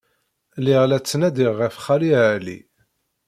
Lliɣ la ttnadiɣ ɣef Xali Ɛli.